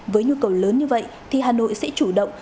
với nhu cầu lớn như vậy thì hà nội sẽ chủ động